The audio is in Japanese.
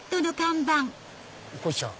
こひちゃん！